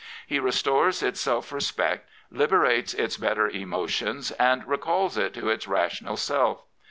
He restores its self respect, liberates its better emotions, and recalls it to its rational self.